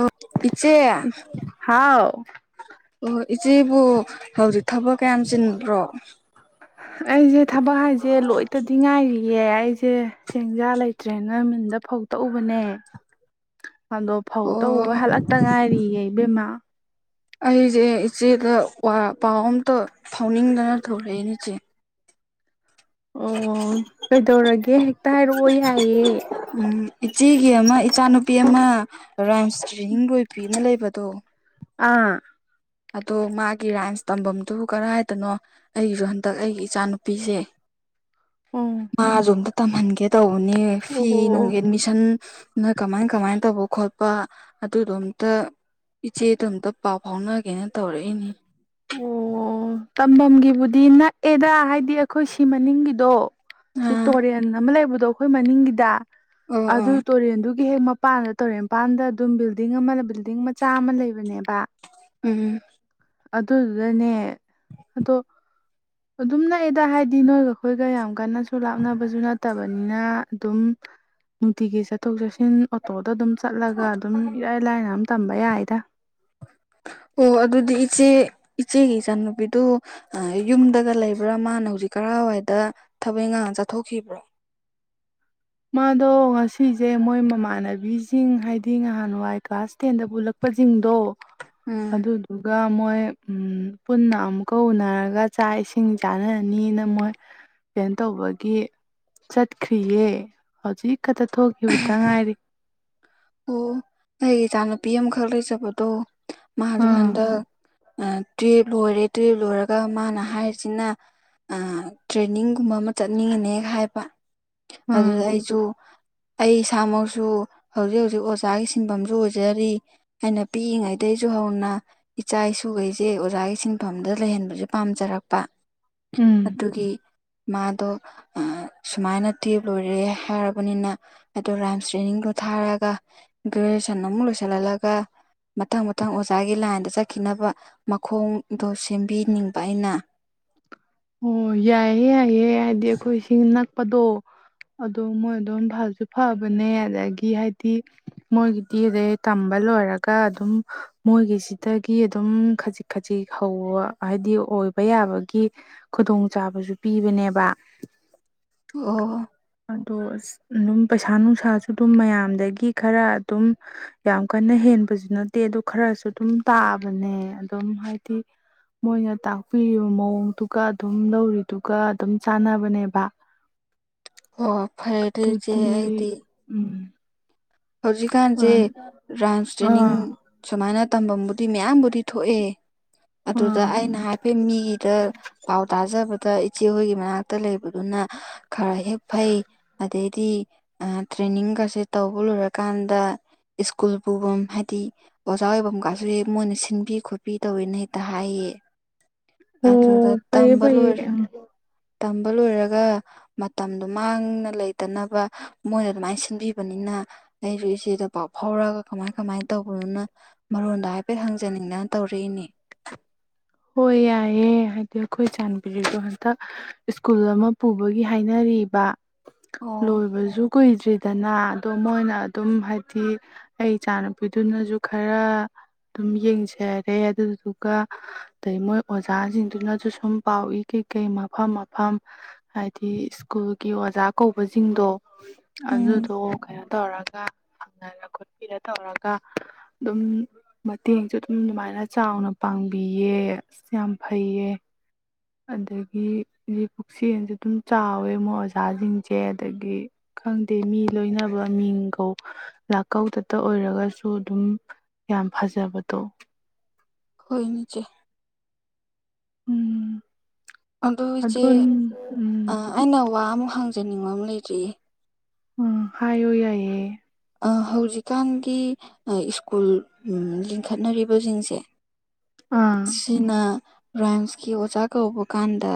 ꯑ ꯏꯆꯦ ꯍꯥꯎ ꯑꯣꯣꯏ ꯏꯆꯦꯕꯨ ꯍꯧꯖꯤꯛ ꯊꯕꯛ ꯀꯌꯥꯝ ꯆꯤꯟꯕ꯭ꯔꯣ ꯑꯩꯁꯦ ꯊꯕꯛ ꯍꯥꯏꯁꯦ ꯂꯣꯏꯇꯗꯤ ꯉꯥꯏꯔꯤ ꯑꯦ ꯑꯩꯁꯦ ꯁꯦꯡꯖꯥ ꯂꯩꯇ꯭ꯔꯦꯅ ꯃꯤꯟꯗ ꯐꯧ ꯇꯛꯎꯕꯅꯦ ꯑꯗꯣ ꯐꯧ ꯇꯧꯕ ꯑꯣ ꯍꯜꯂꯛꯇ ꯉꯥꯏꯔꯤꯌꯦꯦ ꯕꯦꯝꯃꯥ ꯑꯩꯁꯦ ꯏꯆꯦꯗ ꯄꯥꯎ ꯑꯝꯇ ꯐꯥꯎꯅꯤꯡꯗꯅ ꯊꯣꯔꯛꯑꯦꯅꯦ ꯏꯆꯦ ꯑꯣ ꯀꯩꯗꯧꯔꯒꯦ ꯍꯦꯛꯇ ꯍꯥꯏꯔꯛꯑꯣ ꯌꯥꯏꯑꯦ ꯎꯝ ꯏꯆꯦꯒꯤ ꯑꯃ ꯏꯆꯥꯅꯨꯄꯤ ꯑꯃ ꯔꯥꯏꯝꯁꯇ꯭ꯔꯤꯡ ꯂꯣꯏꯄꯤꯅ ꯂꯩꯕꯗꯣ ꯑꯥ ꯑꯗꯣ ꯃꯥꯒꯤ ꯔꯥꯏꯟꯁ ꯇꯝꯐꯝꯗꯨ ꯀꯗꯥꯏꯗꯅꯣ ꯑꯩꯒꯤꯁꯨ ꯍꯟꯗꯛ ꯑꯩꯒꯤ ꯏꯆꯥꯅꯨꯄꯤꯁꯦ ꯑꯣ ꯃꯥꯁꯨꯣ ꯑꯝꯇ ꯇꯝꯍꯟꯒꯦ ꯇꯧꯧꯕꯅꯤ ꯐꯤ ꯑꯣ ꯅꯨꯡ ꯑꯣ ꯑꯦꯠꯃꯤꯁꯟ ꯅ ꯀꯃꯥꯏ ꯀꯃꯥꯏꯅ ꯇꯧꯕ ꯈꯣꯠꯄ ꯂꯄꯥ ꯑꯗꯨꯗꯣ ꯑꯝꯇ ꯏꯆꯦꯗꯣ ꯑꯝꯇ ꯄꯥꯎ ꯐꯥꯎꯅꯒꯦꯅ ꯇꯧꯔꯛꯏꯅꯦ ꯑꯣ ꯇꯝꯕꯝꯒꯤꯕꯨ ꯁꯤ ꯅꯛꯑꯦꯗ ꯍꯥꯏꯗꯤ ꯑꯩꯈꯣꯏ ꯁꯤ ꯃꯅꯤꯡꯒꯤꯗꯣ ꯁꯤ ꯑꯥ ꯇꯣꯔꯦꯟ ꯑꯃ ꯂꯩꯕꯗ ꯑꯩꯈꯣꯏ ꯃꯅꯤꯡꯒꯤꯗ ꯑꯣ ꯑꯗꯨ ꯑꯣ ꯇꯨꯔꯦꯟꯗꯨꯒꯤ ꯒꯤ ꯍꯦꯛ ꯃꯄꯥꯟꯗ ꯇꯣꯔꯦꯜ ꯃꯄꯥꯟꯗ ꯑꯗꯨꯝ ꯕꯤꯜꯗꯤꯡ ꯑꯃ ꯕꯤꯜꯗꯤꯡ ꯃꯆꯥ ꯑꯃ ꯂꯩꯕꯅꯦꯕ ꯎꯝ ꯑꯗꯨꯗꯅꯦ ꯑꯗꯣ ꯑꯗꯨꯝ ꯅꯛꯑꯦꯗ ꯍꯥꯏꯗꯤ ꯅꯣꯏꯒ ꯑꯩꯈꯣꯏꯒ ꯌꯥꯝ ꯀꯟꯅꯁꯨ ꯂꯥꯞꯅꯕꯁꯨ ꯅꯠꯇꯕꯅꯤꯅ ꯑꯗꯨꯝ ꯅꯨꯡꯇꯤꯒꯤ ꯆꯠꯊꯣꯛ ꯆꯠꯁꯤꯟ ꯊꯤꯟ ꯑꯣꯇꯣꯗ ꯑꯗꯨꯝ ꯆꯠꯂꯒ ꯑꯗꯨꯝ ꯏꯔꯥꯏ ꯂꯥꯏꯅ ꯑꯗꯨꯝ ꯇꯝꯕ ꯌꯥꯏꯗ ꯍ ꯏꯆꯦ ꯏꯆꯦꯒꯤ ꯏꯆꯥꯅꯨꯄꯤꯗꯨ ꯌꯨꯝꯗꯒ ꯂꯩꯕ꯭ꯔꯥ ꯃꯥꯅ ꯍꯧꯖꯤꯛ ꯀꯔꯋꯥꯏꯗ ꯊꯕꯛ ꯉꯥꯡ ꯆꯠꯊꯣꯛꯈꯤꯕ꯭ꯔꯣ ꯃꯥꯗꯣ ꯉꯁꯤꯁꯦ ꯃꯣꯏ ꯃꯃꯥꯟꯅꯕꯤꯁꯤꯡ ꯍꯥꯏꯗꯤ ꯅꯍꯥꯟꯋꯥꯏ ꯀ꯭ꯂꯥꯁ ꯇꯦꯟꯗ ꯄꯨꯜꯂꯛꯄꯁꯤꯡ ꯇꯣ ꯎꯝ ꯑꯗꯨꯗꯨꯒ ꯃꯣꯏ ꯄꯨꯟꯅ ꯑꯃꯨꯛꯀ ꯎꯅꯔꯒ ꯆꯥꯛ ꯏꯁꯤꯡ ꯆꯥꯅꯔꯅꯤꯅ ꯃꯣꯏ ꯀꯩꯅ ꯇꯧꯕꯒꯤ ꯆꯠꯈ꯭ꯔꯤꯌꯦ ꯍꯧꯖꯤꯛ ꯈꯛꯇ ꯊꯣꯛꯈꯤꯕꯇ ꯉꯥꯏꯔꯤ ꯑꯣ ꯑꯩꯒꯤ ꯏꯆꯥꯅꯨꯄꯤ ꯑꯃꯈꯛ ꯂꯩꯖꯕꯗꯣ ꯃꯥꯁꯨ ꯑꯥ ꯍꯟꯗꯛ ꯇꯨꯌꯦꯜꯞ ꯂꯣꯏꯔꯦ ꯇꯨꯌꯦꯜꯞ ꯂꯣꯏꯔꯒ ꯃꯥꯅ ꯍꯥꯏꯔꯤꯁꯤꯅ ꯇ꯭ꯔꯦꯅꯤꯡꯒꯨꯝꯕ ꯑꯃ ꯆꯠꯅꯤꯡꯉꯅꯦ ꯍꯥꯏꯕ ꯑꯥ ꯑꯗꯨꯗ ꯑꯩꯁꯨ ꯑꯩ ꯏꯁꯥꯃꯛꯁꯨ ꯍꯧꯖꯤꯛ ꯍꯧꯖꯤꯛ ꯑꯣꯖꯥꯒꯤ ꯁꯤꯟꯐꯝꯁꯨ ꯑꯣꯏꯖꯔꯤ ꯑꯩꯅ ꯄꯤꯛꯏꯉꯩꯗꯒꯤꯁꯨ ꯍꯧꯅ ꯏꯆꯥ ꯏꯁꯨ ꯑꯩꯈꯣꯏꯁꯦ ꯑꯣꯖꯥꯒꯤ ꯁꯤꯟꯐꯝꯗ ꯂꯩꯍꯟꯕꯁꯦ ꯄꯥꯝꯖꯔꯛꯄ ꯎꯝ ꯑꯗꯨꯒꯤ ꯃꯥꯗꯣ ꯁꯨꯃꯥꯏꯅ ꯇꯦꯞ ꯂꯣꯏꯔꯦ ꯍꯥꯏꯔꯕꯅꯤꯅ ꯑꯗꯣ ꯔꯥꯏꯝꯁ ꯇꯦꯅꯤꯡꯗꯣ ꯊꯥꯔꯒ ꯒ꯭ꯔꯦꯖꯨꯌꯦꯦꯁꯟ ꯑꯃꯨꯛ ꯂꯣꯏꯁꯤꯜꯍꯜꯂꯒ ꯃꯊꯪ ꯃꯊꯪ ꯑꯣꯖꯥꯒꯤ ꯂꯥꯏꯟꯗ ꯆꯠꯈꯤꯅꯕ ꯃꯈꯣꯡꯗꯣ ꯁꯦꯝꯕꯤꯅꯤꯡꯕ ꯑꯩꯅ [unintelligible] ꯑꯣ ꯌꯥꯏꯌꯦꯦ ꯌꯥꯏꯌꯦꯦ ꯍꯥꯏꯗꯤ ꯑꯩꯈꯣꯏ ꯏꯁꯤꯡ ꯅꯛꯄꯗꯣ ꯑꯗꯣ ꯃꯣꯏ ꯑꯗꯨꯝ ꯐꯁꯨ ꯐꯕꯅꯦ ꯑꯗꯒꯤ ꯍꯥꯏꯗꯤ ꯃꯣꯏꯒꯤꯗꯤ ꯑꯩ ꯇꯝꯕ ꯂꯣꯏꯔꯒ ꯑꯗꯨꯝ ꯃꯣꯏꯒꯤꯁꯤ ꯑꯗꯨꯝ ꯈꯖꯤꯛ ꯈꯖꯤꯛ ꯍꯧꯕ ꯍꯥꯏꯗꯤ ꯑꯣꯏꯕ ꯌꯥꯕꯒꯤ ꯈꯨꯗꯣꯡꯆꯥꯥꯕꯁꯨ ꯄꯤꯕꯅꯦꯕ ꯑꯣ ꯑꯗꯣ ꯑ ꯑꯗꯨꯝ ꯄꯩꯁꯥ ꯅꯨꯡꯁꯥꯁꯨ ꯑꯗꯨꯝ ꯃꯌꯥꯝꯗꯒꯤ ꯈꯔ ꯑꯗꯨꯝ ꯌꯥꯝ ꯀꯟꯅ ꯍꯦꯛ ꯆꯦꯟꯕꯁꯨ ꯅꯠꯇꯦ ꯑꯗꯨ ꯈꯔꯁꯨ ꯑꯗꯨꯝ ꯇꯥꯑꯕꯅꯦ ꯑꯗꯨꯝ ꯍꯥꯏꯗꯤ ꯃꯣꯏꯅ ꯇꯥꯛꯄꯤꯔꯤꯕ ꯃꯑꯣꯡꯗꯨ ꯑꯗꯨꯝ ꯂꯧꯔꯤꯗꯨꯒ ꯑꯗꯨꯝ ꯆꯥꯅꯕꯅꯦꯕ ꯑꯣ ꯐꯔꯦ ꯑꯗꯨꯏꯆꯦ ꯑꯗꯨꯗꯤ ꯑꯩꯗꯤ ꯎꯝ ꯍꯧꯖꯤꯛꯀꯥꯟꯁꯦ ꯑꯥ ꯔꯟꯁ ꯇ꯭ꯔꯦꯟꯅꯤꯡ ꯑꯥ ꯁꯨꯃꯥꯏꯅ ꯇꯝꯐꯝꯕꯨꯗꯤ ꯃꯌꯥꯝꯕꯨꯗꯤ ꯊꯣꯛꯑꯦ ꯑꯗꯨꯗ ꯑꯩꯅ ꯍꯥꯏꯐꯦꯠ ꯃꯤꯒꯤꯗ ꯄꯥꯎ ꯇꯥꯖꯕ ꯇ ꯏꯆꯦ ꯍꯣꯏꯒꯤ ꯃꯅꯥꯛꯇ ꯂꯩꯕꯗꯨꯅ ꯈꯔ ꯍꯦꯛ ꯐꯩ ꯑꯗꯩꯗꯤ ꯇ꯭ꯔꯦꯟꯅꯤꯡꯒꯁꯦ ꯇꯧꯕ ꯂꯣꯏꯔꯀꯥꯟꯗ ꯁ꯭ꯀꯨꯜ ꯄꯨꯐꯝ ꯍꯥꯏꯗꯤ ꯑꯣꯖꯥ ꯑꯣꯏꯐꯝ ꯀꯁꯨ ꯍꯦꯛ ꯃꯣꯏꯅ ꯁꯤꯟꯕꯤ ꯈꯣꯠꯄꯤ ꯇꯧꯋꯦꯅ ꯍꯦꯛꯇ ꯍꯥꯏꯌꯦ ꯑꯆꯥ ꯑꯣ ꯆꯥꯛ ꯐꯩꯌꯦ ꯐꯩꯌꯦ ꯇꯝ ꯣꯔ ꯎꯝ ꯇꯝꯕ ꯂꯣꯏꯔꯒ ꯃꯇꯝꯗꯣ ꯃꯥꯡꯅ ꯂꯩꯇꯅꯕ ꯃꯣꯏꯅ ꯑꯗꯨꯃꯥꯏꯅ ꯁꯤꯟꯕꯤꯕꯅꯤꯅ ꯑꯩꯁꯨ ꯏꯆꯦꯗ ꯄꯥꯎ ꯐꯥꯎꯔꯒ ꯀꯃꯥꯏ ꯀꯃꯥꯏꯅ ꯇꯧꯕꯗꯨꯅ ꯃꯔꯣꯟꯗꯣ ꯍꯥꯏꯐꯦꯠ ꯍꯪꯖꯅꯤꯡꯗꯅ ꯇꯧꯔꯛꯏꯅꯦ [unintelligible] ꯍꯣꯏ ꯌꯥꯏꯑꯦ ꯍꯥꯏꯗꯤ ꯑꯩꯈꯣꯏ ꯆꯥꯟꯕꯤꯔꯤꯁꯨꯣ ꯍꯟꯇ ꯁ꯭ꯀꯨꯜ ꯑꯃ ꯄꯨꯕꯒꯤ ꯍꯥꯏꯅꯔꯤ ꯔꯤꯕ ꯑꯣ ꯂꯣꯏꯕꯁꯨ ꯀꯨꯏꯗ꯭ꯔꯤꯗꯅ ꯑꯗꯣ ꯃꯣꯏꯅ ꯑꯗꯨꯝ ꯍꯥꯏꯗꯤ ꯑꯩ ꯏꯆꯥ ꯅꯨꯨꯄꯤꯗꯨꯅꯁꯨ ꯈꯔ ꯑꯗꯨꯝ ꯌꯦꯡꯖꯔꯦ ꯑꯗꯨꯗꯨꯒ ꯑꯗꯩ ꯃꯣꯏ ꯑꯣꯖꯥꯁꯤꯡꯗꯨꯅꯁꯨ ꯁꯨꯝ ꯄꯥꯎꯏ ꯀꯩ ꯀꯩ ꯃꯐꯝ ꯃꯐꯝ ꯍꯥꯏꯗꯤ ꯁ꯭ꯀꯨꯜꯒꯤ ꯑꯣꯖꯥ ꯀꯧꯕꯁꯤꯡꯗꯣ ꯎꯝ ꯑꯗꯨꯗꯣ ꯀꯩꯅꯣ ꯇꯧꯔꯒ ꯐꯪꯅꯔ ꯈꯣꯠꯄꯤꯔ ꯇꯧꯔꯒ ꯑꯗꯨꯝ ꯃꯇꯦꯡꯁꯨ ꯑꯗꯨꯝ ꯑꯗꯨꯃꯥꯏꯅ ꯆꯥꯎꯅ ꯄꯥꯡꯉ ꯆꯥꯡꯕꯤꯌꯦ ꯑꯁ ꯌꯥꯝ ꯐꯩꯌꯦ ꯑꯗꯒꯤ ꯍꯧ ꯄꯨꯛꯆꯦꯜꯁꯨꯦ ꯑꯗꯨꯝ ꯆꯥꯎꯋꯦ ꯑꯣꯖꯥꯁꯤꯡꯁꯦ ꯑꯗꯒꯤ ꯈꯪꯗꯦ ꯃꯤ ꯂꯣꯏꯅꯕ ꯃꯤꯡꯒꯧ ꯂꯥꯛꯀꯧꯗꯇ ꯑꯣꯏꯔꯒꯁꯨ ꯑꯗꯨꯝ ꯌꯥꯝ ꯐꯖꯕꯗꯣ ꯍꯣꯏ ꯅꯆꯦ ꯎꯝ ꯑꯗꯨ ꯏꯆꯦ ꯑꯗꯨꯗ ꯎꯝ ꯑꯩꯅ ꯋꯥ ꯑꯃꯨꯛ ꯍꯪꯖꯅꯤꯡꯕ ꯑꯃ ꯂꯩꯔꯤꯔꯤ ꯎꯝ ꯍꯥꯏꯌꯨ ꯌꯥꯏꯌꯦꯦ ꯍꯧꯖꯤꯛꯀꯥꯟꯒꯤ ꯁ꯭ꯀꯨꯜ ꯂꯤꯡꯈꯠꯅꯔꯤꯕꯁꯤꯡꯁꯦ ꯑꯥ ꯁꯤꯅ ꯔꯥꯏꯝꯁꯀꯤ ꯑꯣꯖꯥ ꯀꯧꯕ ꯀꯥꯟꯗ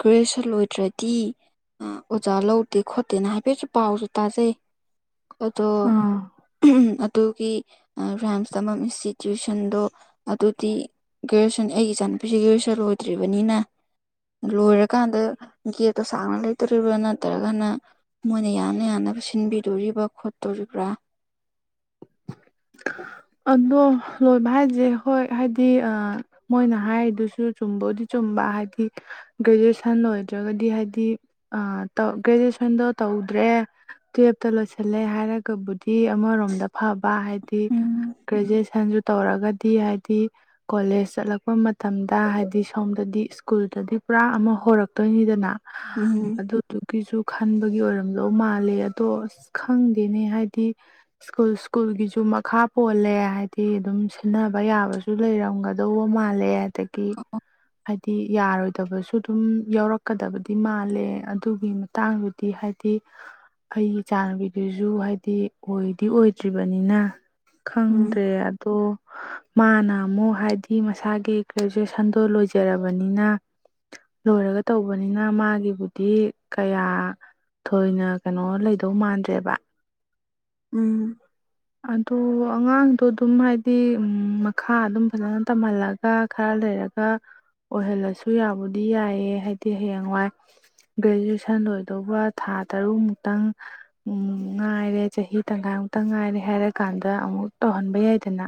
ꯒ꯭ꯔꯦꯖꯦꯁꯟ ꯂꯣꯏꯗ꯭ꯔꯦ ꯍꯥꯏꯗꯤ ꯑꯣꯖꯥ ꯂꯧꯗꯦ ꯈꯣꯠꯇꯦꯅ ꯍꯥꯏꯐꯦꯠꯁꯨ ꯄꯥꯎꯁꯨ ꯇꯥꯖꯩ ꯑꯣ ꯎ ꯑꯥ ꯑꯗꯨꯒꯤ ꯔꯔꯤꯝꯁ ꯇꯝ ꯏꯟꯁꯇꯤꯇ꯭ꯌꯨꯁꯟꯗꯣ ꯑꯗꯨ ꯗꯤ ꯒ꯭ꯔꯦꯖꯨꯋꯦꯁꯟ ꯑꯩꯒꯤ ꯏꯆꯥꯅꯨꯄꯤꯁꯦ ꯒ꯭ꯔꯦꯖꯨꯋꯌꯦꯁꯟ ꯑꯣꯏꯗ꯭ꯔꯤꯕꯅꯤꯅ ꯂꯣꯏꯔꯀꯥꯟꯗ ꯒꯦꯠꯇꯣ ꯁꯥꯡꯅ ꯂꯩꯇꯣꯔꯤꯕ꯭ꯔꯥ ꯅꯠꯇ꯭ꯔꯒꯅ ꯃꯣꯏꯅ ꯌꯥꯅ ꯌꯥꯅꯕ ꯁꯤꯟꯕꯤꯗꯣꯔꯤꯕꯥ ꯈꯣꯠꯇꯣꯔꯤꯕ꯭ꯔꯥ ꯑꯗꯨꯗ ꯂꯣꯏꯕ ꯍꯥꯏꯁꯦ ꯍꯣꯏ ꯍꯥꯏꯗꯤ ꯃꯣꯏꯅ ꯍꯥꯏꯔꯤꯗꯨꯁꯨ ꯆꯨꯝꯕꯕꯨꯗꯤ ꯆꯨꯝꯕ ꯍꯥꯏꯗꯤ ꯒ꯭ꯔꯦꯖꯨꯑꯦꯁꯟ ꯂꯣꯏꯗ꯭ꯔꯒꯗꯤ ꯍꯥꯏꯗꯤ ꯒ꯭ꯔꯦꯖꯨꯑꯦꯁꯟꯗꯣ ꯇꯧꯗ꯭ꯔꯦ ꯇꯨꯋꯞꯇ ꯂꯣꯏꯁꯤꯜꯂꯦ ꯍꯥꯏꯔꯒꯕꯨꯗꯤ ꯑꯃꯔꯣꯝꯗ ꯐꯕ ꯎꯝ ꯒ꯭ꯔꯦꯖꯁꯟ ꯇꯧꯔꯒꯗꯤ ꯍꯥꯏꯗꯤ ꯀꯣꯂꯦ ꯆꯠ ꯂꯄ ꯃꯇꯝꯗ ꯍꯥꯏꯗꯤ ꯁꯣꯝꯗꯗꯤ ꯁ꯭ꯀꯨꯜꯗꯗꯤ ꯄꯨꯔꯥ ꯑꯃ ꯍꯧꯔꯛꯇꯣꯏꯅꯤꯗꯅ ꯎꯝ ꯑꯗꯨꯗꯨꯒꯤꯁꯨ ꯈꯟꯕꯒꯤ ꯑꯣꯏꯔꯝꯂꯣ ꯃꯥꯜꯂꯦ ꯑꯗꯣ ꯑꯁ ꯈꯪꯗꯦꯅꯦ ꯍꯥꯏꯗꯤ ꯁ꯭ꯀꯨꯜ ꯁ꯭ꯀꯨꯜꯒꯤꯁꯨ ꯈꯥ ꯄꯣꯜꯂꯦ ꯍꯥꯏꯗꯤ ꯑꯗꯨꯝ ꯁꯤꯟꯅꯕ ꯌꯥꯕꯁꯨ ꯂꯩꯔꯝꯒꯗꯧꯕ ꯃꯥꯜꯂꯦ ꯑꯗꯒꯤ ꯍꯥꯏꯗꯤ ꯌꯥꯔꯣꯏꯗꯕꯁꯨ ꯑꯗꯨꯝ ꯌꯥꯎꯔꯛꯀꯗꯕꯗꯤ ꯃꯥꯜꯂꯦ ꯑꯗꯨꯒꯤ ꯃꯇꯥꯡꯗꯨꯗꯤ ꯍꯥꯏꯗꯤ ꯗꯤ ꯑꯩꯒꯤ ꯏ ꯆꯥꯟꯅꯕꯤꯗꯨꯁꯨ ꯍꯥꯏꯗꯤ ꯑꯣꯏꯗꯤ ꯑꯣꯏꯗ꯭ꯔꯤꯕꯅꯤꯅ ꯈꯪꯗ꯭ꯔꯦ ꯑꯗꯣ ꯃꯥꯅ ꯑꯃꯨꯛ ꯍꯥꯏꯕꯗꯤ ꯃꯁꯥꯒꯤ ꯒ꯭ꯔꯦꯖꯨꯑꯦꯁꯟꯗꯣ ꯂꯣꯏꯖꯔꯕꯅꯤꯅ ꯂꯣꯏꯔꯒ ꯇꯧꯕꯅꯤꯅ ꯃꯥꯒꯤꯕꯨꯗꯤ ꯀꯌꯥ ꯊꯣꯏꯅ ꯀꯩꯅꯣ ꯂꯩꯗꯧ ꯃꯥꯟꯗ꯭ꯔꯦꯕ ꯎꯝ ꯑ ꯑꯉꯥꯡꯗꯣ ꯑꯗꯨꯝ ꯍꯥꯏꯗꯤ ꯃꯈꯥ ꯑꯗꯨꯝ ꯐꯖꯅ ꯇꯝꯍꯜꯂꯒ ꯈꯔ ꯂꯩꯔꯒ ꯑꯣꯏꯍꯜꯂꯁꯨ ꯌꯥꯕꯨꯗꯤ ꯌꯥꯏꯑ ꯍꯥꯏꯗꯤ ꯍꯌꯦꯡꯋꯥꯏ ꯒ꯭ꯔꯦꯖꯨꯑꯦꯁꯟ ꯂꯣꯏꯗꯧꯕ ꯊꯥ ꯇꯔꯨꯛ ꯃꯨꯛꯇꯪ ꯉꯥꯏꯔꯦ ꯆꯍꯤ ꯇꯪꯈꯥꯏ ꯑꯃꯨꯛꯇ ꯉꯥꯏꯔꯦ ꯍꯥꯏꯔ ꯀꯥꯟꯗ ꯑꯃꯨꯛ ꯇꯧꯍꯟꯕ ꯌꯥꯏꯗꯅ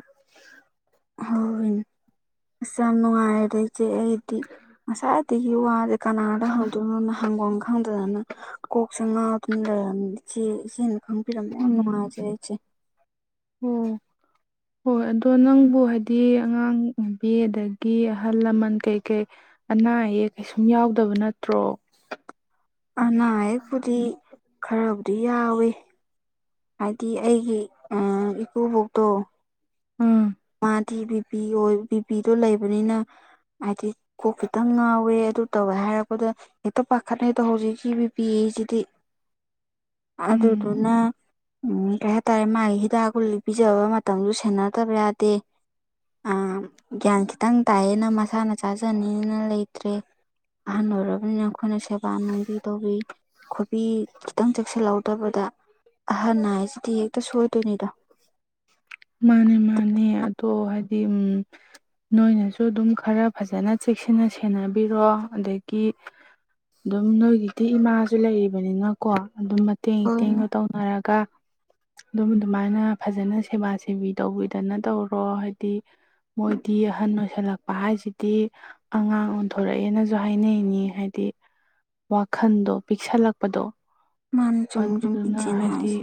ꯑꯣꯁꯝ ꯅꯨꯡꯉꯥꯏꯔꯦꯗꯤ ꯃꯁꯥꯏꯇꯒꯤ ꯋꯥ ꯑꯗꯨꯀꯥꯟꯅꯥꯗ ꯍꯥꯡꯗꯅ ꯍ ꯑꯗꯨꯗꯅ ꯀꯣꯛꯁ ꯉꯥ ꯑꯗꯨꯅ ꯂꯩꯔꯝ ꯏꯆꯦ ꯏꯆꯦꯅ ꯈꯪꯕꯤꯔꯝꯃꯦ ꯌꯥꯝ ꯅꯨꯡꯉꯥꯏꯖꯔꯦ ꯑꯩꯆꯦ ꯍ ꯎꯝ ꯍꯣꯏ ꯑꯗꯣ ꯅꯪꯕꯨ ꯍꯥꯏꯗꯤ ꯑꯉꯥꯡ ꯅꯨꯕꯤ ꯑꯗꯒꯤ ꯑꯍꯜ ꯂꯃꯟ ꯀꯩꯀꯩ ꯑꯅꯥ ꯑꯌꯦꯛ ꯀꯩꯁꯨꯝ ꯌꯥꯎꯗꯕ ꯅꯠꯇ꯭ꯔꯣ ꯑꯅꯥ ꯑꯌꯦꯛꯄꯨꯗꯤ ꯈꯔꯕꯨꯗꯤ ꯌꯥꯎꯋꯤ ꯍꯥꯏꯗꯤ ꯑꯩꯒꯤ ꯏꯀꯣ ꯕꯨꯛꯇꯣ ꯎꯝ ꯃꯥꯗꯤ ꯕꯤꯄꯤ ꯑꯣꯏ ꯕꯤꯄꯤꯗꯣ ꯂꯩꯕꯅꯤꯅ ꯍꯥꯏꯗꯤ ꯀꯣꯛ ꯈꯤꯇꯪ ꯉꯥꯎꯋꯦ ꯑꯗꯨ ꯇꯧꯦ ꯍꯥꯏꯔꯛꯄꯗ ꯍꯦꯛꯇ ꯄꯥꯈꯠꯅꯗꯣ ꯍꯧꯖꯤꯛꯀꯤꯕꯤ ꯄꯤꯁꯤꯗꯤ ꯑꯗꯨ ꯎꯝ ꯑꯗꯨꯅ ꯎꯝ ꯀꯩ ꯍꯥꯏꯇꯥꯔꯦ ꯃꯥꯒꯤ ꯍꯤꯗꯥꯛ ꯀꯨꯜꯂꯤ ꯄꯤꯖꯕ ꯃꯇꯝꯁꯨ ꯁꯦꯟꯅꯗꯕ ꯌꯥꯗꯦ ꯒ꯭ꯌꯥꯟ ꯈꯤꯇꯪ ꯇꯥꯏꯌꯦꯅ ꯃꯁꯥꯅ ꯆꯥꯖꯅꯤꯡ ꯂꯩꯇ꯭ꯔꯦ ꯑꯍꯜ ꯑꯣꯏꯔꯕꯅꯤꯅ ꯑꯩꯈꯣꯏꯅ ꯁꯦꯕꯥ ꯅꯨꯡꯕꯤ ꯇꯧꯕꯤ ꯈꯣꯕꯤ ꯈꯤꯇꯪ ꯆꯦꯛꯁꯤꯜꯍꯧꯗꯕꯗ ꯑꯍꯟ ꯍꯥꯏꯁꯤꯗꯤ ꯍꯦꯛꯇ ꯁꯣꯏꯗꯣꯏꯅꯤꯗꯣ [inaudible] ꯃꯥꯅꯦ ꯃꯥꯅꯦ ꯑꯗꯣ ꯍꯥꯏꯗꯤ ꯎꯝ ꯅꯣꯏꯅꯁꯨ ꯑꯗꯨꯝ ꯈꯔ ꯐꯖꯅ ꯆꯦꯛꯁꯤꯟꯅ ꯁꯦꯟꯅꯕꯤꯔꯣ ꯑꯗꯒꯤ ꯑꯗꯨꯝ ꯅꯣꯏꯒꯤꯗꯤ ꯏꯃꯥꯁꯨ ꯂꯩꯔꯤꯕꯅꯤꯅꯀꯣ ꯑꯗꯨꯝ ꯃꯇꯦꯡ ꯍꯣꯏ ꯏꯇꯦꯡꯒ ꯇꯧꯅꯔꯒ ꯑꯗꯨꯝ ꯑꯗꯨꯃꯥꯏꯅ ꯐꯖꯅ ꯁꯦꯕꯥꯁꯤꯦ ꯇꯤꯕꯤ ꯇꯧꯕꯤꯗꯅ ꯇꯧꯔꯣ ꯍꯥꯏꯗꯤ ꯃꯣꯏꯗꯤ ꯑꯍꯟ ꯑꯣꯏꯁꯜꯂꯛꯄ ꯍꯥꯏꯁꯤꯗꯤ ꯑꯉꯥꯡ ꯑꯣꯟꯊꯣꯔꯛꯑꯦꯅꯁꯨ ꯍꯥꯏꯅꯩꯅꯤ ꯍꯥꯏꯗꯤ [inaudible] ꯋꯥꯈꯜꯗꯣ ꯄꯤꯛꯁꯜꯂꯛꯄꯗꯣ ꯃꯥꯅꯤ ꯆꯨꯝꯃꯤ ꯆꯨꯝꯃꯤ ꯑꯗꯨꯗꯨꯅ ꯏꯆꯦꯅ ꯍꯥꯏꯗꯤ ꯍꯥꯏꯁꯦ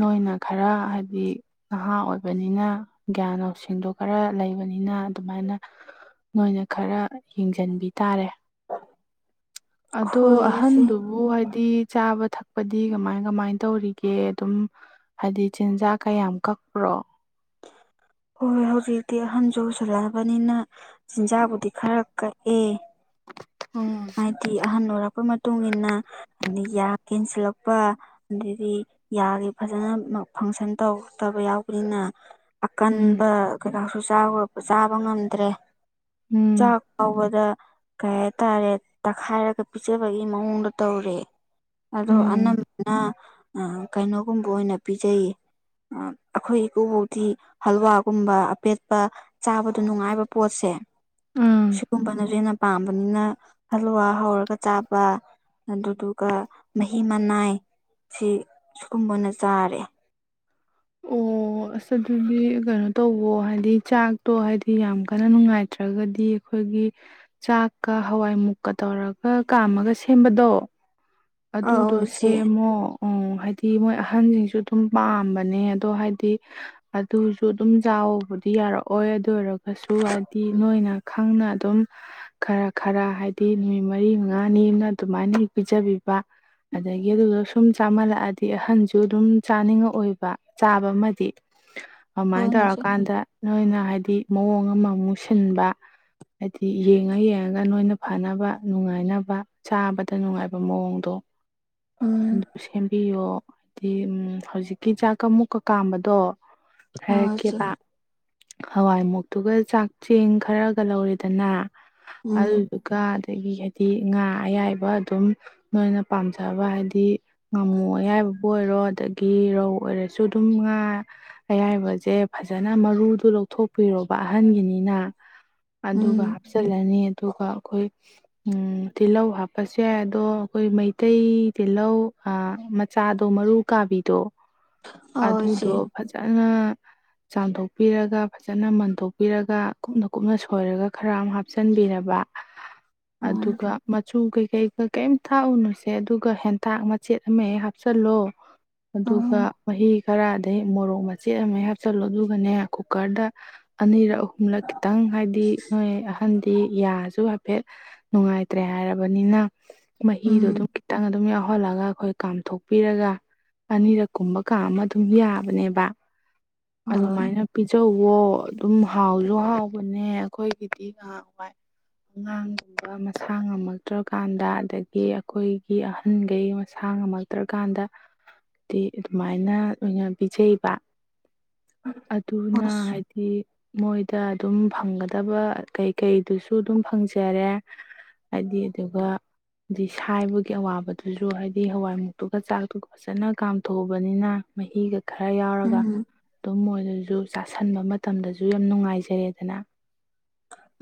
ꯅꯣꯏꯅ ꯈꯔ ꯍꯥꯏꯕꯗꯤ ꯅꯍꯥ ꯑꯣꯏ ꯑꯣꯏꯕꯅꯤꯅ ꯒ꯭ꯌꯥꯟ ꯂꯧꯁꯤꯡꯗꯣ ꯈꯔ ꯂꯩꯕꯅꯤꯅ ꯑꯗꯨꯃꯥꯏꯅ ꯅꯣꯏꯅ ꯈꯔ ꯌꯦꯡꯁꯤꯟꯕꯤ ꯇꯥꯔꯦ ꯑꯗꯣ ꯍꯣꯏ ꯏꯆꯦ ꯑꯍꯟꯗꯨꯕꯨ ꯍꯥꯏꯗꯤ ꯆꯥꯕ ꯊꯛꯄ ꯀꯛꯄꯗꯤ ꯀꯃꯥꯏ ꯀꯃꯥꯏ ꯇꯧꯔꯤꯒꯦ ꯑꯗꯨꯝ ꯍꯥꯏꯗꯤ ꯆꯤꯟꯖꯥꯛ ꯀꯌꯥꯝ ꯀꯛꯄ꯭ꯔꯣ ꯍꯣꯏ ꯍꯣꯏ ꯍꯧꯖꯤꯛꯇꯤ ꯑꯍꯟꯁꯨꯁꯜꯂꯛꯑꯕꯅꯤꯅ ꯆꯤꯟꯖꯥꯛꯕꯨꯗꯤ ꯈꯔ ꯀꯛꯑꯦ ꯎꯝ ꯑꯥꯏ ꯇ ꯑꯍꯅꯣꯔꯀꯣꯏ ꯃ ꯃꯇꯨꯡ ꯏꯟꯅ ꯑꯩ ꯌꯥ ꯀꯦꯟꯁꯤꯜꯂꯛꯄ ꯑꯗꯗꯤ ꯌꯥꯒꯤ ꯐꯖꯅ ꯐꯪꯁꯟ ꯇꯧꯗꯕ ꯌꯥꯎꯕꯅꯤꯅ ꯎꯝ ꯑꯀꯟꯕ ꯀꯩꯅꯣꯁꯨ ꯆꯥꯕ ꯉꯝꯗ꯭ꯔꯦ ꯆꯥꯛ ꯐꯧꯕꯗ ꯀꯩ ꯍꯥꯏꯇꯥꯔꯦ ꯇꯛꯈꯥꯏꯔꯒ ꯄꯤꯖꯕꯒꯤ ꯃꯑꯣꯡꯗꯣ ꯇꯧꯔꯦ ꯎꯝ ꯑꯗꯣ ꯎꯝ ꯑꯅꯝꯕꯅ ꯑ ꯀꯩꯅꯣꯒꯨꯝꯕ ꯑꯣꯏꯅ ꯄꯤꯖꯩꯌꯦ ꯑꯩꯈꯣꯏ ꯏꯀꯨꯕꯧꯗꯤꯤ ꯍꯜꯋꯥꯒꯨꯝꯕ ꯑꯄꯦꯠꯄ ꯆꯥꯕꯗ ꯅꯨꯡꯉꯥꯏꯕ ꯄꯣꯠꯁꯦ ꯎꯝ ꯁꯤꯒꯨꯝꯕꯅꯁꯨ ꯍꯦꯟꯅ ꯄꯥꯝꯕꯅꯤꯅ ꯍꯜꯂꯨꯋꯥ ꯍꯧꯔꯒ ꯆꯥꯕ ꯑꯗꯨꯗꯨꯒ ꯃꯍꯤ ꯃꯅꯥꯏ ꯁꯤ ꯁꯤꯨꯒꯨꯝꯕꯅ ꯆꯥꯔꯦ [inaudible] ꯑꯣ ꯑꯁ ꯑꯗꯨꯗꯤ ꯀꯩꯅꯣ ꯇꯧꯕꯣ ꯍꯥꯏꯗꯤ ꯆꯥꯛꯇꯣ ꯍꯥꯏꯗꯤ ꯌꯥꯝ ꯀꯟꯅ ꯅꯨꯡꯉꯥꯏꯇ꯭ꯔꯒꯗꯤ ꯑꯩꯈꯣꯏꯒꯤ ꯆꯥꯛꯀ ꯍꯋꯥꯏ ꯃꯨꯛꯀ ꯇꯧꯔꯒ ꯀꯥꯝꯃꯒ ꯁꯦꯝꯕꯗꯣ ꯑꯗꯨꯗꯣ ꯑꯧ ꯆꯦ ꯁꯦꯝꯃꯣ ꯎ ꯍꯥꯏꯗꯤ ꯃꯣꯏ ꯑꯍꯟꯁꯤꯡꯁꯨ ꯑꯗꯨꯝ ꯄꯥꯝꯕꯅꯦ ꯑꯗꯣ ꯍꯥꯏꯗꯤ ꯑꯗꯨꯁꯨ ꯑꯗꯨꯝ ꯆꯥꯎꯧꯕꯗ ꯑꯗꯨ ꯌꯥꯔꯛꯑꯣꯏ ꯑꯗꯨ ꯑꯣꯏꯔꯒꯁꯨ ꯍꯥꯏꯗꯤ ꯅꯣꯏꯅ ꯈꯪꯅ ꯑꯗꯨꯝ ꯈꯔ ꯈꯔ ꯍꯥꯏꯗꯤ ꯅꯨꯃꯤꯠ ꯃꯔꯤ ꯃꯉꯥꯅꯤꯅ ꯑꯗꯨꯃꯥꯏꯅ ꯄꯤꯖꯕꯤꯕ ꯑꯗꯒꯤ ꯑꯗꯨꯗ ꯁꯨꯝ ꯆꯥꯃꯜꯂꯛꯑꯗꯤ ꯑꯍꯟꯁꯨ ꯑꯗꯨꯝ ꯆꯥꯅꯤꯡꯉꯛꯑꯣꯏꯕ ꯆꯥꯕ ꯑꯃꯗꯤ ꯑꯗꯨꯃꯥꯏꯅ ꯍꯣꯏꯅꯦ ꯆꯦ ꯇꯧꯔꯀꯥꯟꯗ ꯅꯣꯏꯅ ꯍꯥꯏꯗꯤ ꯃꯑꯣꯡ ꯑꯃ ꯃꯨ ꯁꯤꯟꯕ ꯍꯥꯏꯗꯤ ꯌꯦꯡꯉ ꯌꯦꯡꯉꯒ ꯅꯣꯏꯅ ꯐꯅꯕ ꯅꯨꯡꯉꯥꯏꯅꯕ ꯆꯥꯕꯗ ꯅꯨꯡꯉꯥꯏꯕ ꯃꯑꯣꯡꯗ ꯎꯝ ꯑꯗꯨ ꯁꯦꯝꯕꯤꯌꯣ ꯎꯝ ꯍꯧꯖꯤꯛꯀꯤ ꯆꯥꯛꯀ ꯃꯨꯛꯀ ꯀꯥꯝꯕꯗꯣ ꯑꯧ ꯆꯦ ꯍꯥꯏꯔꯛꯀꯦꯕ ꯍꯋꯥꯏ ꯃꯨꯣꯛꯇꯨꯒ ꯆꯥꯛ ꯆꯦꯡ ꯈꯔꯒ ꯂꯧꯔꯦꯗꯅ ꯎꯝ ꯑꯗꯨꯗꯨꯒ ꯑꯗꯒꯤ ꯍꯥꯏꯗꯤ ꯉꯥ ꯑꯌꯥꯏꯕ ꯑꯗꯨꯝ ꯅꯣꯏꯅ ꯄꯥꯝꯖꯕ ꯍꯥꯏꯗꯤ ꯉꯥꯃꯨ ꯑꯌꯥꯏꯕꯕꯨ ꯑꯣꯏꯔꯣ ꯑꯗꯒꯤ ꯔꯧ ꯑꯣꯏꯔꯁꯨ ꯑꯗꯨꯝ ꯉ ꯑꯌꯥꯏꯕꯁꯦ ꯐꯖꯅ ꯃꯔꯨꯗꯨ ꯂꯧꯊꯣꯛꯄꯤꯔꯣꯕ ꯑꯍꯟꯒꯤꯅꯤꯅ ꯎꯝ ꯑꯗꯨꯒ ꯍꯥꯞꯆꯤꯜꯂꯅꯤ ꯑꯗꯨꯒ ꯑꯩꯈꯣꯏ ꯇꯤꯜꯍꯧ ꯍꯥꯞꯄꯁꯨ ꯌꯥꯏ ꯑꯗꯣ ꯑꯩꯈꯣꯏ ꯃꯩꯇꯩ ꯇꯤꯜꯍꯧ ꯃꯆꯥꯗꯣ ꯃꯔꯨ ꯀꯥꯕꯤꯗꯣ ꯑꯧ ꯆꯦ ꯑꯗꯨꯗꯣ ꯐꯖꯅ ꯆꯥꯝꯊꯣꯛꯄꯤꯔꯒ ꯐꯖꯅ ꯃꯟꯊꯣꯛꯄꯤꯔꯒ ꯀꯨꯞꯅ ꯀꯨꯞꯅ ꯁꯣꯏꯔꯒ ꯈꯔ ꯑꯃ ꯍꯥꯞꯆꯤꯟꯕꯤ ꯄꯤꯔꯕ ꯎꯝ ꯑꯗꯨꯒ ꯃꯆꯨ ꯀꯩꯀꯩ ꯀꯩ ꯊꯥꯛꯎꯅꯨꯁꯦ ꯑꯗꯨꯒ ꯍꯦꯟꯇꯥꯛ ꯃꯆꯦꯠ ꯑꯃ ꯍꯦꯛ ꯍꯥꯞꯆꯤꯜꯂꯣ ꯑꯗꯨꯒ ꯎꯝ ꯃꯍꯤ ꯈꯔꯗꯒꯤꯩ ꯃꯣꯔꯣꯛ ꯃꯆꯦꯠ ꯑꯃ ꯍꯥꯞꯆꯜꯂꯨ ꯑꯗꯨꯒꯅꯦ ꯀꯨꯀꯔꯗ ꯑꯅꯤꯔꯛ ꯑꯍꯨꯝꯂꯛ ꯈꯤꯇꯪ ꯍꯥꯏꯗꯤ ꯅꯣꯏ ꯑꯍꯟ ꯌꯥꯁꯨ ꯍꯥꯏꯐꯦꯠ ꯅꯨꯡꯉꯥꯏꯇ꯭ꯔꯦ ꯍꯥꯏꯔꯕꯅꯤꯅ ꯃꯍꯤꯗꯣ ꯎꯝ ꯑꯗꯨꯝ ꯈꯤꯇꯪ ꯑꯗꯨꯝ ꯌꯥꯎꯍꯜꯂꯒ ꯑꯩꯈꯣꯏ ꯀꯥꯝꯊꯣꯛꯄꯤꯔꯒ ꯑꯅꯤꯔꯛ ꯀꯨꯝꯕ ꯀꯥ ꯑꯃ ꯑꯗꯨꯝ ꯌꯥꯕꯅꯦꯕ ꯍꯣꯏ ꯑꯗꯨꯃꯥꯏꯅ ꯄꯤꯖꯧ ꯑꯣ ꯑꯗꯨꯝ ꯍꯥꯎꯁꯨ ꯍꯥꯎꯕꯅꯦ ꯑꯩꯈꯣꯏꯒꯤꯗꯤ ꯉꯍꯥꯛ ꯋꯥꯏ ꯑꯉꯥꯡꯒꯨꯝꯕ ꯃꯁꯥ ꯉꯝꯃꯛꯇ꯭ꯔꯀꯥꯟꯗ ꯑꯗꯒꯤ ꯑ‌ꯦ ꯑꯩꯈꯣꯏꯒꯤ ꯑꯍꯟꯈꯩ ꯃꯁꯥ ꯉꯝꯃꯛꯇ꯭ꯔꯀꯥꯟꯗ ꯗ‌ꯦ ꯑꯗꯨꯃꯥꯏꯅ ꯑꯣꯏꯅ ꯄꯤꯖꯩꯕ ꯑꯗꯨꯅ ꯑꯁ ꯍꯥꯏꯗꯤ ꯃꯣꯏꯗ ꯑꯗꯨꯝ ꯐꯪꯒꯗꯕ ꯀꯩꯀꯩꯗꯨꯁꯨ ꯑꯗꯨꯝ ꯐꯪꯖꯔꯦ ꯍꯥꯏꯗꯤ ꯑꯗꯨꯒ ꯗꯤ ꯁꯥꯏꯕꯒꯤ ꯑꯋꯥꯕꯗꯨꯁꯨ ꯍꯥꯏꯗꯤ ꯍꯋꯥꯏꯃꯨꯛꯇꯨꯒ ꯆꯥꯛꯇꯨꯒ ꯐꯖꯅ ꯀꯥꯝꯊꯣꯛꯑꯕꯅꯤꯅ ꯃꯍꯤꯒ ꯈꯔ ꯌꯥꯎꯔꯒ ꯎꯝ ꯑꯗꯨꯝ ꯃꯨ ꯑꯗꯨꯁꯨ ꯆꯥꯁꯟꯕ ꯃꯇꯝꯗꯁꯨ ꯌꯥꯝ ꯅꯨꯡꯉꯥꯏꯖꯔꯦꯗꯅ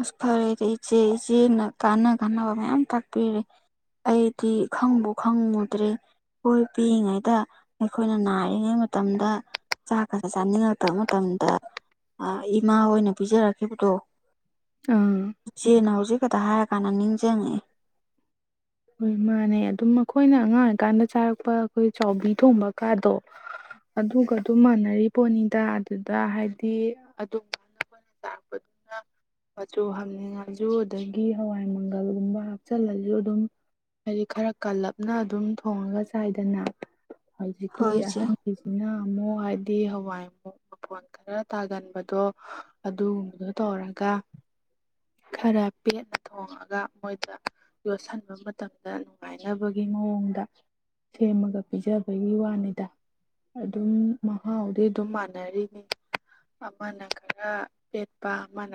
ꯑꯁ ꯐꯔꯦꯗꯤ ꯏꯆꯦ ꯏꯆꯦꯅ ꯀꯥꯟꯅ ꯀꯥꯟꯅꯕ ꯃꯌꯥꯝ ꯇꯥꯛꯄꯤꯔꯦ ꯑꯩꯗꯤ ꯈꯪꯕꯨ ꯈꯪꯉꯨꯗ꯭ꯔꯦ ꯈꫭꯏ ꯄꯤꯛꯏꯉꯩꯗ ꯑꯩꯈꯣꯏꯅ ꯅꯥꯔꯤꯉꯩ ꯃꯇꯝꯗ ꯆꯥꯛ ꯀꯥꯁ‌ꯦ ꯆꯥꯅꯤꯡꯉꯛꯇꯕ ꯃꯇꯝꯗ ꯏꯃꯥ ꯍꯣꯏꯅ ꯄꯤꯖꯔꯛꯈꯤꯕꯗꯣ ꯑꯥ ꯏꯆꯦꯅ ꯍꯧꯖꯤꯛꯈꯛꯇ ꯍꯥꯏꯔ ꯀꯥꯟꯗ ꯅꯤꯡꯖꯡꯑ‌ꯦ ꯍꯣꯏ ꯃꯥꯅꯦ ꯑꯗꯨꯝ ꯃꯈꫭꯏꯅ ꯑꯉꯥꯡ ꯑꯣꯏꯀꯥꯟꯗ ꯆꯥꯔꯛꯄ ꯑꯩꯈꯣꯏ ꯆꯕꯤ ꯊꯣꯡꯕ ꯀꯥꯗꯣ ꯑꯗꯨꯒ ꯑꯗꯨꯝ ꯃꯥꯟꯅꯔꯤ ꯄꯣꯠꯅꯤꯗ ꯑꯗꯨꯗ ꯍꯥꯏꯗꯤ ꯑꯗꯨꯝ [inaudible] ꯃꯆꯨ ꯍꯥꯡꯅꯤꯡꯉꯁꯨ ꯑꯗꯒꯤ ꯍꯋꯥꯏ ꯃꯪꯒꯜꯒꯨꯝꯕ ꯍꯥꯞꯆꯤꯜꯂꯁꯨ ꯑꯗꯨꯝ ꯍꯥꯏꯗꯤ ꯈꯔ ꯀꯜꯂꯞꯅ ꯑꯗꯨꯝ ꯊꯣꯡꯉꯒ ꯆꯥꯏꯗꯅ ꯍꯧꯖꯤꯛꯀꯤ ꯍꯣꯏ ꯏꯆꯦ ꯑꯍꯟꯒꯤꯁꯤꯅ ꯑꯃꯨꯛ ꯍꯥꯏꯗꯤ ꯍꯋꯥꯏ ꯃꯨꯛ ꯐꯣꯟ ꯈꯔ ꯇꯥꯒꯟꯕꯗꯣ ꯑꯗꯨꯒꯨꯝꯕꯗꯣ ꯇꯧꯔꯒ ꯈꯔ ꯄꯦꯅ ꯊꯣꯡꯉꯒ ꯃꯣꯏꯗ ꯌꯣꯠꯁꯤꯟꯕ ꯃꯇꯝꯗ ꯅꯨꯡꯉꯥꯏꯅꯕꯒꯤ ꯃꯑꯣꯡꯗ ꯁꯦꯝꯃꯒ ꯄꯤꯖꯕꯒꯤ ꯋꯥꯅꯤꯗ ꯑꯗꯨꯝ ꯃꯍꯥꯎꯥꯎꯗꯤ ꯑꯗꯨꯝ ꯃꯥꯟꯅꯔꯤꯅꯤ ꯑꯃꯅ ꯈꯔ ꯄ‌ꯦꯠꯄ ꯑꯃꯅ